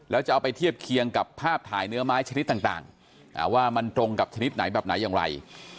แล้วจะเอาไปเทียบเคียงกับภาพถ่ายเนื้อไม้ชนิดต่างว่ามันตรงกับชนิดไหนแบบไหนอย่างไร